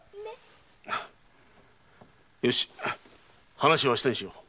話は明日にしよう。